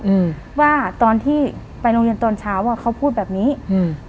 อืมว่าตอนที่ไปโรงเรียนตอนเช้าอ่ะเขาพูดแบบนี้อืม